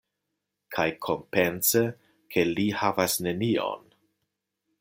Kaj, kompense, ke li havas nenion.